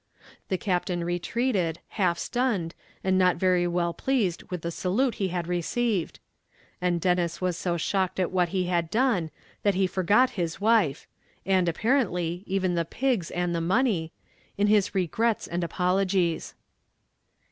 The Captain retreated, half stunned, and not very well pleased with the salute he had received; and Denis was so shocked at what he had done, that he forgot his wife and, apparently even the pigs and the money in his regrets and apologies.